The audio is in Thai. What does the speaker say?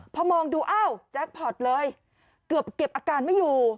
พอมองดูอ้าวแจ็คพอร์ตเลยเกือบเก็บอาการไม่อยู่